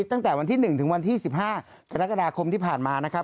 ตั้งแต่วันที่๑ถึงวันที่๑๕กรกฎาคมที่ผ่านมานะครับ